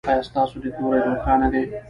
ایا ستاسو لید لوری روښانه دی؟